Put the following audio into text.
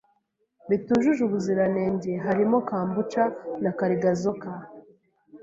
ibitujuje ubuziranenge harimo kambucha na Kargazok